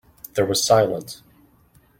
There was a silence.